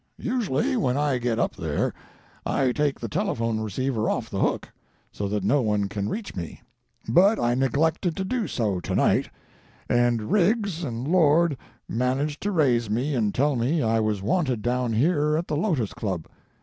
Usually when I get up there I take the telephone receiver off the hook, so that no one can reach me, but I neglected to do so tonight, and Riggs and Lord managed to raise me and tell me I was wanted down here at the Lotos Club.